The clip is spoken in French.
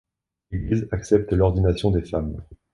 L'Église accepte l'ordination des femmes.